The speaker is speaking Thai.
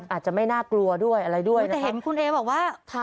อาจจะไม่น่ากลัวด้วยอะไรด้วยแต่เห็นคุณเอบอกว่า